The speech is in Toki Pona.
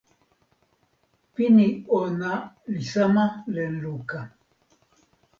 pini ona li sama len luka.